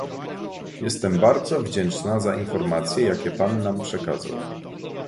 Jestem bardzo wdzięczna za informacje, jakie Pan nam przekazał